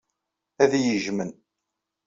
Ad iyi-jjmen.